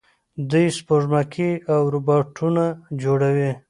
دوی سپوږمکۍ او روباټونه جوړوي.